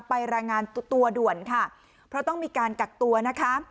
รายงานตัวด่วนค่ะเพราะต้องมีการกักตัวนะคะ